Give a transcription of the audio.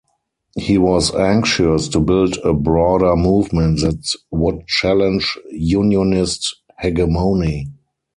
He was anxious to build a broader movement that would challenge Unionist hegemony.